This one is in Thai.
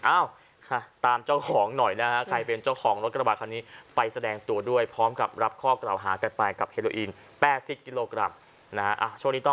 อ้าวตามเจ้าของหน่อยนะฮะใครเป็นเจ้าของรถกระบาดคันนี้ไปแสดงตัวด้วยพร้อมกับรับข้อกล่าวหากันไปกับเฮโลอีน๘๐กิโลกรัมนะฮะช่วงนี้ต้อง